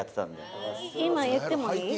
今言ってもいい？